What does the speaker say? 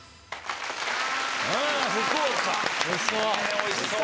おいしそう！